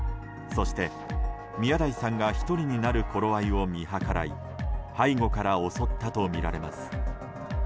そして、宮台さんが１人になる頃合いを見計らい背後から襲ったとみられます。